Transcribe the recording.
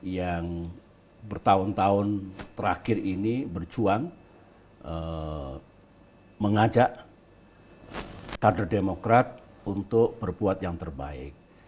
yang bertahun tahun terakhir ini berjuang mengajak kader demokrat untuk berbuat yang terbaik